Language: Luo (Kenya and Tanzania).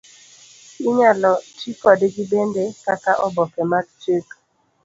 Inyalo ti kodgi bende kaka oboke mag chik.